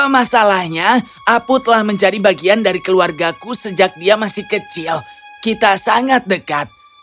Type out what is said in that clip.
masalahnya apu telah menjadi bagian dari keluargaku sejak dia masih kecil kita sangat dekat